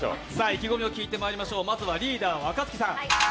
意気込みを聞いてまいりましょう、まずはリーダー・若槻さん。